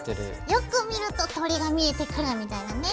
よく見ると鳥が見えてくるみたいなね。